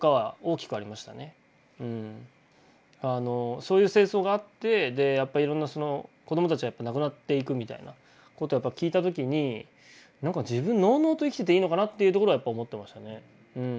そういう戦争があってやっぱりいろんなその子どもたちが亡くなっていくみたいなことを聞いた時になんか自分ノウノウと生きてていいのかなっていうところはやっぱ思ってましたね。